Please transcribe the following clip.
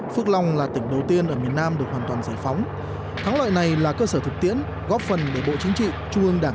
phước long là tỉnh đầu tiên ở miền nam được hoàn toàn giải phóng thắng lợi này là cơ sở thực tiễn góp phần để bộ chính trị